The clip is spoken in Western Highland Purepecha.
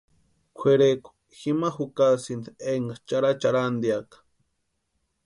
Kwʼerekwa jima jukasïnti énka charhacharhantiaka.